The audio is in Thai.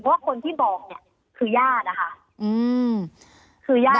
เพราะว่าคนที่บอกนี่คือย่าดนะคะ